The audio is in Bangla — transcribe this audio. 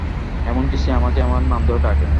এমনকি সে আমাকে আমার নাম ধরে ডাকে!